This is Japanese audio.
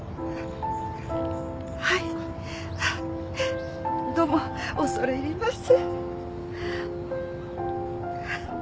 はいどうも恐れ入ります。